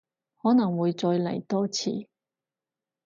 可能會再嚟多次